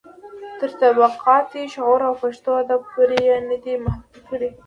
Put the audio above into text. تر طبقاتي شعور او پښتو ادب پورې يې نه دي محدوې کړي.